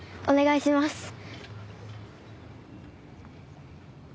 お願いします！